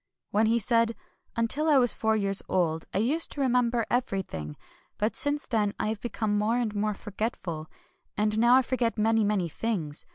Then he said :—" Until I was four years old I used to remember everything; but since then I have become more and more forgetful ; and now I forget many, many things.